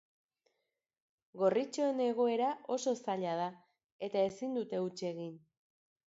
Gorritxoen egoera oso zaila da, eta ezin dute huts egin.